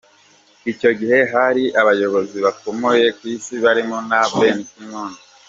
Icyo gihe hari abayobozi bakomeye ku Isi barimo na Ban Ki-moon.